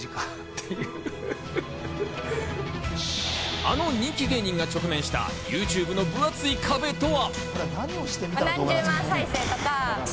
あの人気芸人が直面したＹｏｕＴｕｂｅｒの分厚い壁とは。